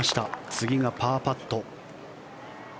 次がパーパット。